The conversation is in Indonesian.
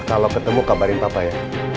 kalau ketemu kabarin papa ya